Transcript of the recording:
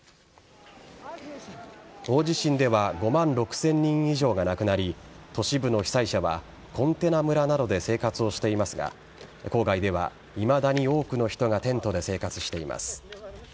大地震では５万６０００人以上が亡くなり都市部の被災者はコンテナ村などで生活をしていますが郊外ではいまだに多くの人がテントで生活しています。